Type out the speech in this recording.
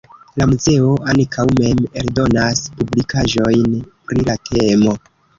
La muzeo ankaŭ mem eldonas publikaĵojn pri la temo.